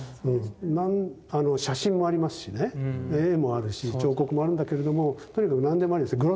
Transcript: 写真もありますしね絵もあるし彫刻もあるんだけれどもとにかく何でもありですよね。